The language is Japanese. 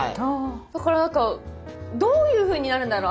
だから何かどういうふうになるんだろう？